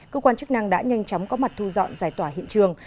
cơ quan chức năng đã nhanh chóng có mặt thu dọn giải tỏa hiện trường